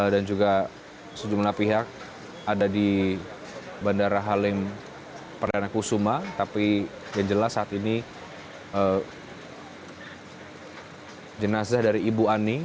yang membawa jenazah ibu ani